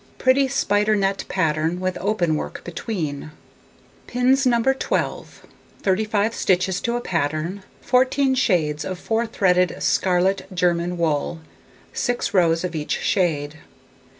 Pretty Spider Net Pattern, with Open Work between. Pins No. 12; 35 stitches to a pattern. Fourteen shades of four threaded scarlet German wool, 6 rows of each shade.